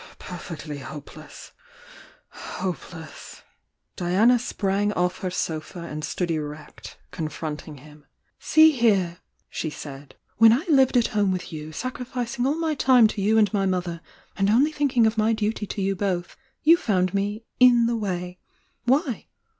Perfectly hopelessl hope les9 1" Diana sprang oft her sofa and stood erect, con fronting him. THE YOUNG DIANA 8A9 "See here!" she said— "When I lived at home with you, sacrificing all my time to you and my mother, and only thinking of my duty to you both, you found me 'in the way.' Why?